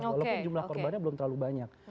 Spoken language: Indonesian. walaupun jumlah korbannya belum terlalu banyak